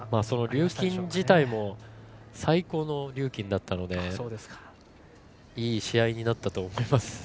リューキン自体も最高のリューキンだったのでいい試合になったと思います。